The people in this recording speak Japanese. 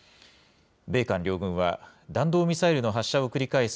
米韓両軍は、弾道ミサイルの発射を繰り返す